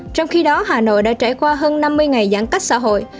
trong khi đó hà nội đã trải qua hơn năm mươi ngày giãn cách xã hội